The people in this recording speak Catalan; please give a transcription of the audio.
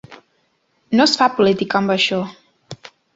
No es fa política amb això!